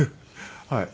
はい。